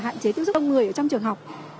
hạn chế tiếp xúc đông người trong trường học